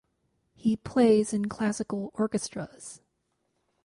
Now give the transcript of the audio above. He plays in classical orchestras.